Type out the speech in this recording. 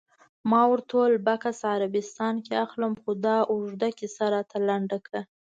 ما ورته وویل: بکس عربستان کې اخلم، خو دا اوږده کیسه راته لنډه کړه.